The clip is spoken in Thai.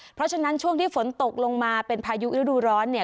เพราะฉะนั้นช่วงที่ฝนตกลงมาเป็นพายุฤดูร้อนเนี่ย